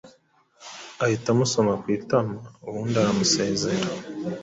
ahita amusoma ku itama ubundi aramusezera